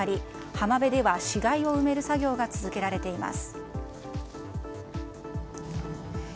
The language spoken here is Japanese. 浜辺では死骸を埋める作業が続けられています。